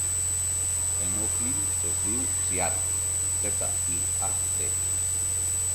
El meu fill es diu Ziad: zeta, i, a, de.